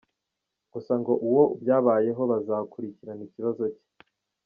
Gusa ngo uwo byabayeho bazakurikirana ikibazo cye.